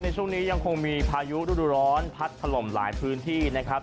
ช่วงนี้ยังคงมีพายุฤดูร้อนพัดถล่มหลายพื้นที่นะครับ